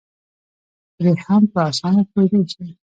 پرې هم په اسانه پوهېدی شي